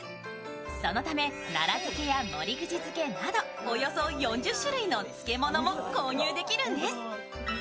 そのため奈良漬や守口漬などおよそ４０種類の漬物も購入できるんです。